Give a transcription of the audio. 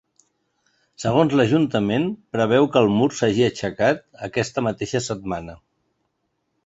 Segons l’ajuntament, preveu que el mur s’hagi aixecat aquesta mateixa setmana.